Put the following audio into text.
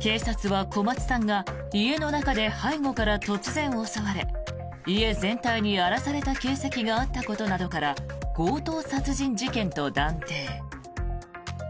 警察は、小松さんが家の中で背後から突然襲われ家全体に荒らされた形跡があったことなどから強盗殺人事件と断定。